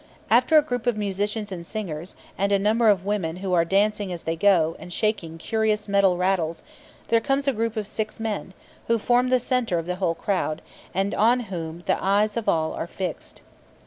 After a group of musicians and singers, and a number of women who are dancing as they go, and shaking curious metal rattles, there comes a group of six men, who form the centre of the whole crowd, and on whom the eyes of all are fixed.